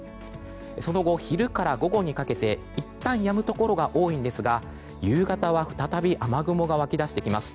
その後、昼から午後にかけていったんやむところが多いんですが夕方は再び雨雲が湧き出してきます。